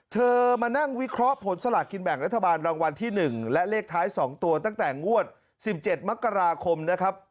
เธอมานั่งวิเคราะห์ผลสลากกินแบ่งรัฐบาลรางวัลที่๑และเลขท้าย๒ตัวตั้งแต่งวด๑๗มกราคมนะครับ